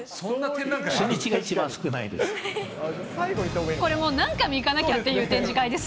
初日が一番少ないです。